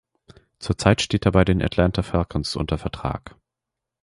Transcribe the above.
Zurzeit steht er bei den Atlanta Falcons unter Vertrag.